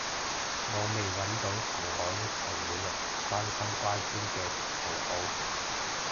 我未搵到同我一齊每日關心乖孫嘅同好